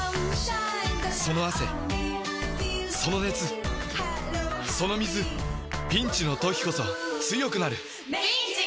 その汗その熱その水ピンチの時こそ強くなる！